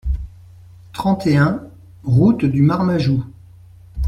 trente et un route du Marmajou